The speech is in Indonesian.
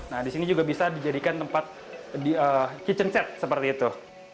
nah di sini juga bisa dijadikan tempat kitchen set seperti itu